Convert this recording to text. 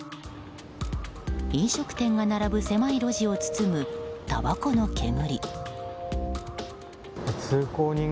飲食店が並ぶ狭い路地を包むたばこの煙。